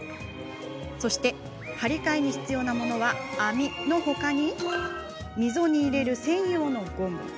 張り替えに必要なものは網のほかに溝に入れる専用のゴム。